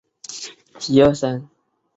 昂格维莱。